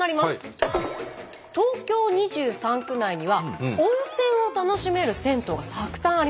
「東京２３区内には温泉を楽しめる銭湯がたくさんあります」。